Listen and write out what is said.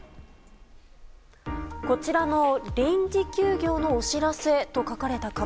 こちらの臨時休業のお知らせと書かれた紙。